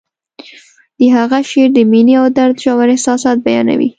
د هغه شعر د مینې او درد ژور احساسات بیانوي